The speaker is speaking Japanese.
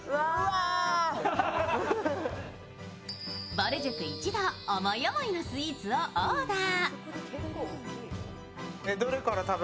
ぼる塾一同、思い思いのスイーツをオーダー。